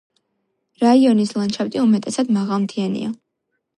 რაიონის ლანდშაფტი უმეტესად მაღალმთიანია.